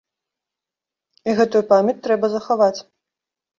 І гэтую памяць трэба захаваць.